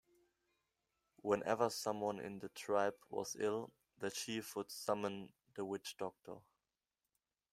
Whenever someone in the tribe was ill, the chief would summon the witchdoctor.